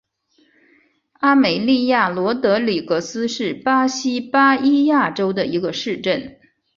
阿梅利娅罗德里格斯是巴西巴伊亚州的一个市镇。